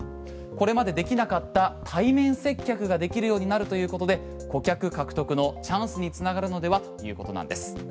これまでできなかった対面接客ができるようになるということで顧客獲得のチャンスに繋がるのではということです。